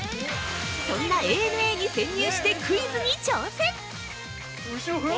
そんなＡＮＡに潜入してクイズに挑戦！